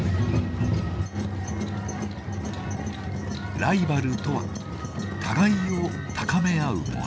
ライバルとは互いを高め合うもの。